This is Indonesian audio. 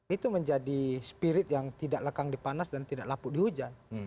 itu menjadi spirit yang tidak lekang di panas dan tidak lapuk di hujan